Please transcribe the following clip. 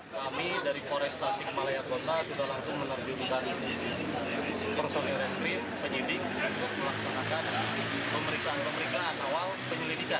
kami dari polresta sikmalaya kota sudah langsung menerjukan personil reskri penyidik untuk melaksanakan pemeriksaan pemeriksaan awal penyelidikan